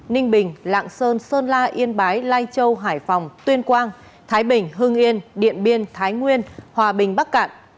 ninh bình lạng sơn sơn la yên bái lai châu hải phòng tuyên quang thái bình hưng yên điện biên thái nguyên hòa bình bắc cạn